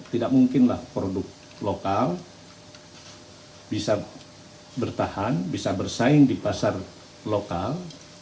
tidak mungkinlah produk lokal bisa bertahan bisa bersaing di pasar lokal